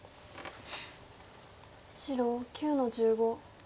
白９の十五。